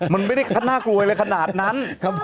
มันไม่ได้น่ากลัวอะไรขนาดนั้น